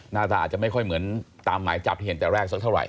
หน้าตาอาจจะไม่ค่อยเหมือนตามหมายจับที่เห็นแต่แรกสักเท่าไห